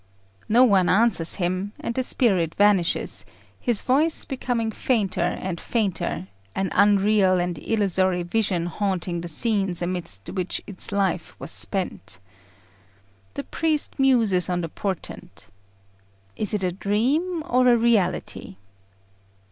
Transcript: No one answers him, and the spirit vanishes, its voice becoming fainter and fainter, an unreal and illusory vision haunting the scenes amid which its life was spent. The priest muses on the portent. Is it a dream or a reality?